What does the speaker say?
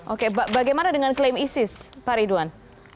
oke bagaimana dengan klaim isis pak ridwan